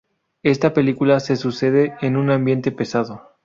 Esta película se sucede en un ambiente pesado.